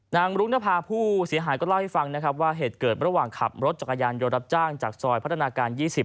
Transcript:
รุงนภาผู้เสียหายก็เล่าให้ฟังนะครับว่าเหตุเกิดระหว่างขับรถจักรยานยนต์รับจ้างจากซอยพัฒนาการ๒๐